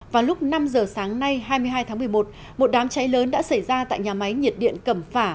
vào lúc năm giờ sáng nay hai mươi hai tháng một mươi một một đám cháy lớn đã xảy ra tại nhà máy nhiệt điện cẩm phả